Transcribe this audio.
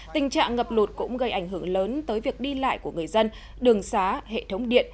tình trạng ngập lụt cũng gây ảnh hưởng lớn tới việc đi lại của người dân đường xá hệ thống điện